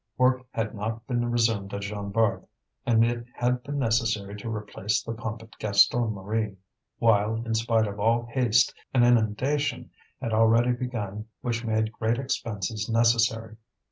Work had not been resumed at Jean Bart, and it had been necessary to replace the pump at Gaston Marie; while, in spite of all haste, an inundation had already begun which made great expenses necessary.